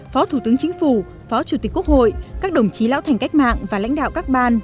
phó thủ tướng chính phủ phó chủ tịch quốc hội các đồng chí lão thành cách mạng và lãnh đạo các ban